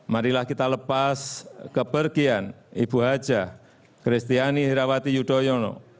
marilah kita lepas kepergian ibu hajah kristiani herawati yudhoyono